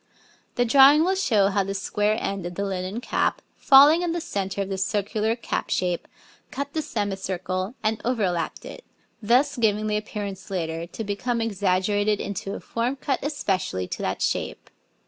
The drawing will show how the square end of the linen cap, falling in the centre of the circular cap shape, cut the semicircle and overlapped it, thus giving the appearance later to become exaggerated into a form cut especially to that shape.